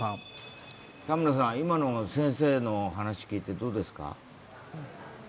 田村さん、今の先生の話を聞いて、どうですか？